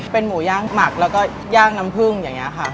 เป็นหมูย่างหมักแล้วก็ย่างน้ำผึ้งอย่างนี้ค่ะ